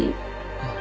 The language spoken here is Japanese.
あっ。